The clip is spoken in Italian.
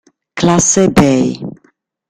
Classe Bay